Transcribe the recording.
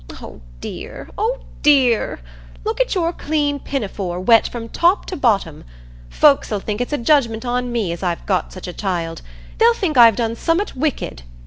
Oh dear, oh dear! look at your clean pinafore, wet from top to bottom. Folks 'ull think it's a judgment on me as I've got such a child,—they'll think I've done summat wicked."